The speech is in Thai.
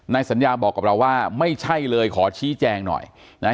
สัญญาบอกกับเราว่าไม่ใช่เลยขอชี้แจงหน่อยนะฮะ